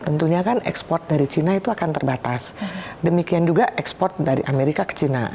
tentunya kan ekspor dari china itu akan terbatas demikian juga ekspor dari amerika ke china